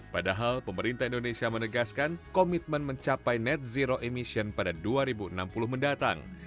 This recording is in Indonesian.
padahal pemerintah indonesia menegaskan komitmen mencapai net zero emission pada dua ribu enam puluh mendatang